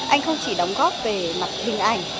anh không chỉ đóng góp về mặt hình ảnh